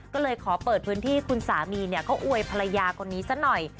ก็เลยขอเปิดพื้นที่ให้คุณสามีเนี่ยก็อวยภรรยาก่อนนี้ซะหน่อย